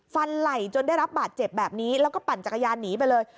ไหล่จนได้รับบาดเจ็บแบบนี้แล้วก็ปั่นจักรยานหนีไปเลย